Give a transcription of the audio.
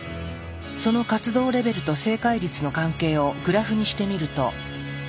その活動レベルと正解率の関係をグラフにしてみると。